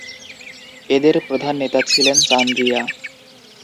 এদের প্রধান নেতা ছিলেন চান্দ্রিয়া।